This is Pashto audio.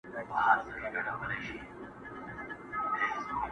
نا امیده له درمل مرګ ته یې پام سو!.